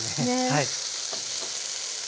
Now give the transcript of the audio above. はい。